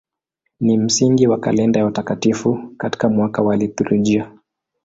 Ni msingi wa kalenda ya watakatifu katika mwaka wa liturujia.